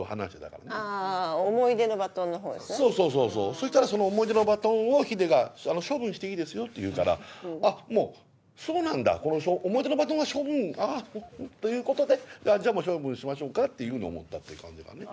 そしたらその思い出のバトンをヒデが「処分していいですよ」って言うから「あっそうなんだこの思い出のバトンは処分」ということでじゃあもう処分しましょうかっていうふうに思ったっていう感じだね。